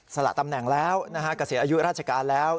สละตำแหน่งแล้วนะฮะเกษียณอายุราชการแล้ว